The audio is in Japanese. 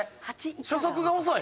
初速が遅い。